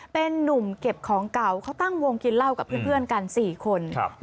เป็นนุ่มเก็บของเก่าเขาตั้งวงกินเหล้ากับเพื่อนกัน๔คน